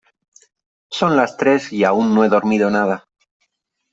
Son las tres y aún no he dormido nada.